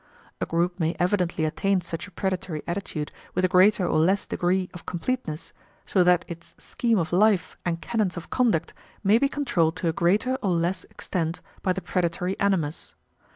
A group may evidently attain such a predatory attitude with a greater or less degree of completeness, so that its scheme of life and canons of conduct may be controlled to a greater or less extent by the predatory animus.